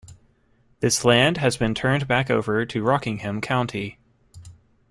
This land has been turned back over to Rockingham County.